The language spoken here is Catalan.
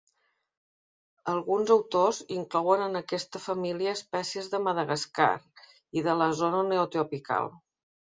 Alguns autors inclouen en aquesta família espècies de Madagascar i de la zona neotropical.